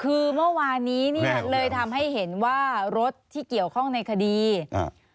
คือเมื่อวานนี้เนี้ยเลยทำให้เห็นว่ารถที่เกี่ยวข้องในคดีอ่า